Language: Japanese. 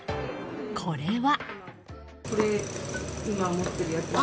これは？